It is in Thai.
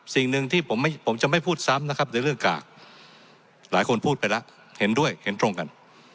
สิ่งหนึ่งที่ผมจะไม่พูดซ้ำนะครับในเรื่องกากหลายคนพูดไปแล้วเห็นด้วยเห็นตรงกัน